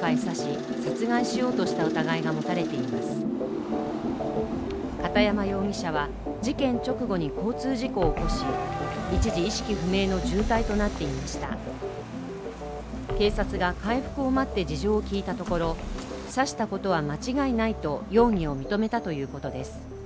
警察が回復を待って事情を聴いたところ、刺したことは間違いないと容疑を認めたということです。